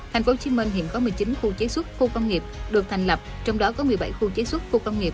tp hcm hiện có một mươi chín khu chế xuất khu công nghiệp được thành lập trong đó có một mươi bảy khu chế xuất khu công nghiệp